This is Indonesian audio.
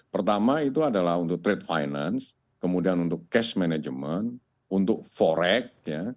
pertama itu adalah untuk trade finance kemudian untuk cash management untuk forex